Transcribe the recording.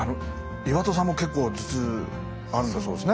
岩田さんも結構頭痛あるんだそうですね。